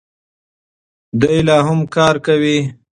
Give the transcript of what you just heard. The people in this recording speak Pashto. دی لا هم کار کوي.